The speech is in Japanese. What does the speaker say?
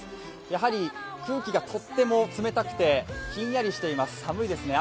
やはり空気がとっても冷たくてひんやりしています、寒いですね